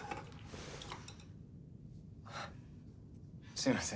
すみません。